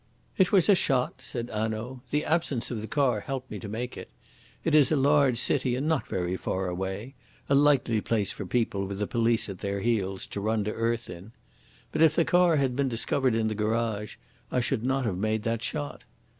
"It was a shot," said Hanaud. "The absence of the car helped me to make it. It is a large city and not very far away, a likely place for people with the police at their heels to run to earth in. But if the car had been discovered in the garage I should not have made that shot.